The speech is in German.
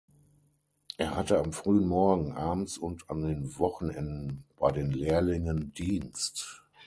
Er hatte am frühen Morgen, abends und an den Wochenenden bei den Lehrlingen Dienst.